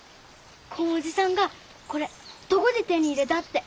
こんおじさんがこれどごで手に入れだって。